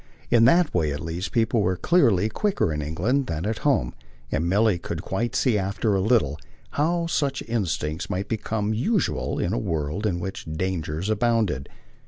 In that way at least people were clearly quicker in England than at home; and Milly could quite see after a little how such instincts might become usual in a world in which dangers abounded.